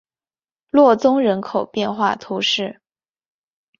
洛宗人口变化图示